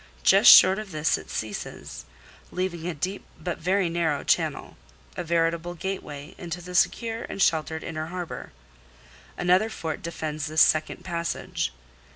Just short of this it ceases, leaving a deep but very narrow channel, a veritable gateway, into the secure and sheltered inner harbour. Another fort defends this second passage.